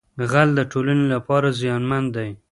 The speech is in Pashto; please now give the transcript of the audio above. غل د ټولنې لپاره زیانمن دی